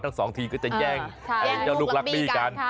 ทั้งสองทีก็จะแย่งเจ้าลูกลักบี้กัน